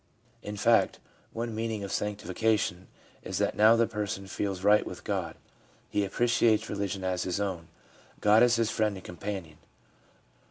In fact, one meaning of sanctification is that now the person feels right with God, he appreciates religion as his own, God is his friend and companion.